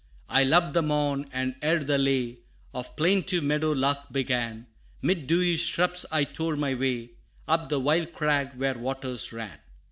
I loved the morn, and ere the lay Of plaintive meadow lark began, 'Mid dewy shrubs I tore my way, Up the wild crag where waters ran.